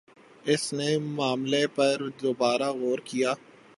اس نے معاملے پر دوبارہ غور کِیا